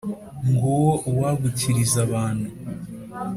Nguwo uwagukiriza abantu,